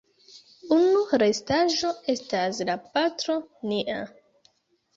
Unu restaĵo estas la "Patro nia".